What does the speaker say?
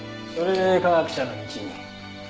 それで科学者の道に？